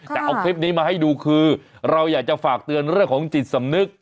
แต่เอาคลิปนี้มาให้ดูคือเราอยากจะฝากเตือนเรื่องของจิตสำนึก